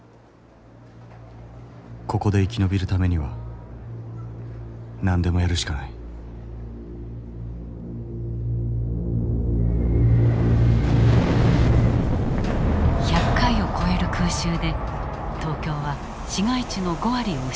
ここで生き延びるためには何でもやるしかない１００回を超える空襲で東京は市街地の５割を失った。